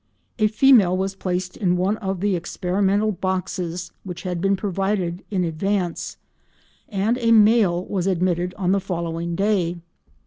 A female was placed in one of the experimental boxes which had been provided in advance, and a male was admitted on the following day.